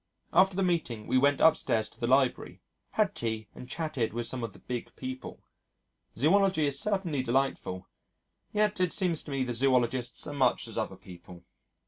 After the meeting we went upstairs to the library, had tea and chatted with some of the big people.... Zoology is certainly delightful, yet it seems to me the Zoologists are much as other people.